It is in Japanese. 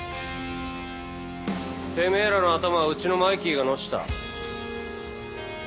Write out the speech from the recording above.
てめえらの頭はうちのマイキーがノシた。